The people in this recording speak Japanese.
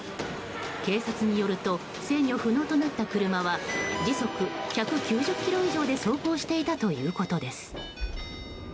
警察によると制御不能となった車は時速１９０キロ以上で走行していたということです。